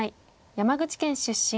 山口県出身。